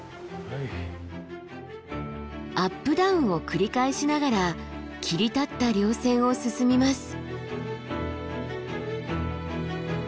アップダウンを繰り返しながら切り立った稜線を進みます。